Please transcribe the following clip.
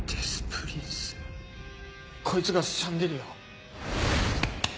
こいつがシャンデリアを。